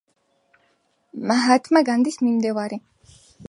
მაჰათმა განდის მიმდევარი.